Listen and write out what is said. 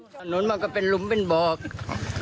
ถนนมันก็เป็นลุ้มเป็นเบาะ